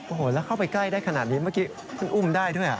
โอ้โหแล้วเข้าไปใกล้ได้ขนาดนี้เมื่อกี้คุณอุ้มได้ด้วย